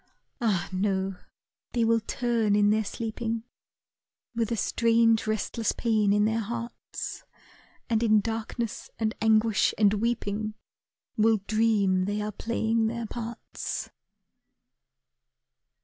Ah, no! they will turn in their sleeping With a strange restless pain in their hearts, And in darkness, and anguish, and weeping, Will dream they are playing their parts.